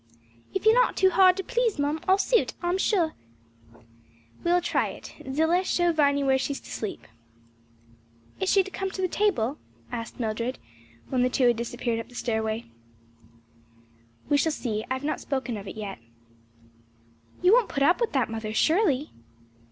"If you're not too hard to please, mum, I'll suit, I'm sure." "We will try it. Zillah, show Viny where she is to sleep." "Is she to come to the table?" asked Mildred, when the two had disappeared up the stairway. "We shall see; I have not spoken of it yet." "You won't put up with that, mother surely?"